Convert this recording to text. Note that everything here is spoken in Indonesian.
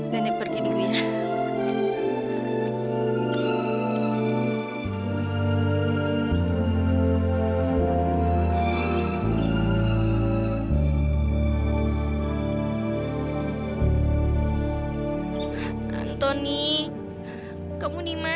nenek pergi dulu ya